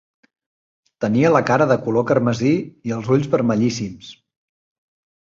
Tenia la cara de color carmesí i els ulls vermellíssims.